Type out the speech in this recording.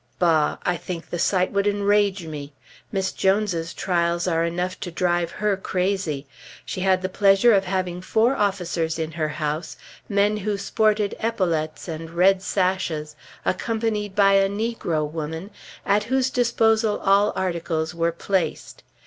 Bah! I think the sight would enrage me! Miss Jones's trials are enough to drive her crazy. She had the pleasure of having four officers in her house, men who sported epaulets and red sashes, accompanied by a negro woman, at whose disposal all articles were placed.